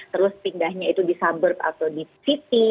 terus pindahnya itu di suburb atau di city